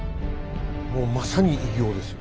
もうまさに偉業ですよね。